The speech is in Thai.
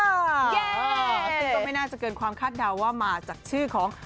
ซึ่งก็ไม่น่าจะเกินความคาดเดาว่ามาจากชื่อของ